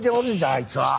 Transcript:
あいつは。